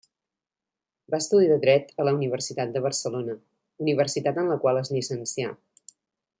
Va estudiar Dret a la Universitat de Barcelona, universitat en la qual es llicencià.